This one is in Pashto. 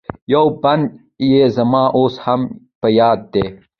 یو بند یې زما اوس هم په یاد دی.